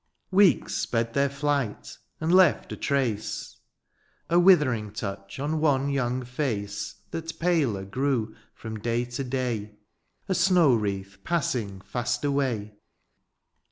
76 DIONYSIUS, Weeks sped their flighty and left a trace^ A withering touch on one young face. That paler grew from day to day, A snow wreath passing fast away.